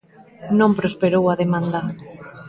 Non prosperou a demanda.